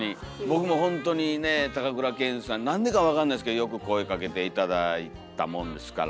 僕もほんとにね高倉健さんなんでか分かんないですけどよく声かけて頂いたもんですから。